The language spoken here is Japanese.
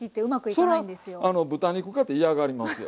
そりゃ豚肉かて嫌がりますよ。